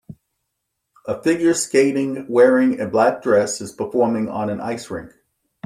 A figure skating wearing a black dress is performing on an ice rink.